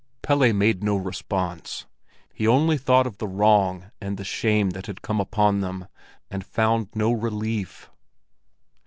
Pelle made no response. He only thought of the wrong and the shame that had come upon them, and found no relief.